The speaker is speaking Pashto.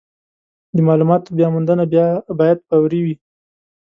د مالوماتو بیاموندنه باید فوري وي.